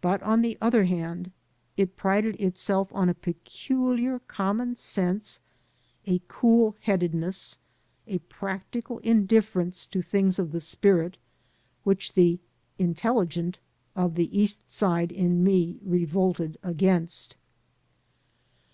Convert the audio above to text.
But, on the other hand, it prided itself on a peculiar common sense, a cool headedness, a practical indiflFerence to things of the spirit, which the "intelli gent" of the East Side in me revolted against.